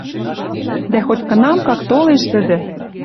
Дӓ хоть-кынам, как толеш тӹдӹ